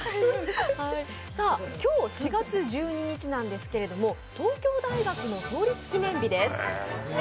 今日４月１２日なんですけれども東京大学の創立記念日です。